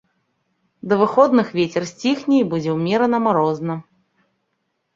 Да выходных вецер сціхне і будзе ўмерана марозна.